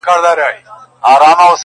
د شعرونو کتابچه وای؛